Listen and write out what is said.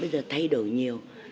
không bao giờ thay đổi nhiều